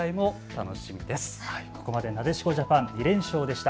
ここまでなでしこジャパン２連勝でした。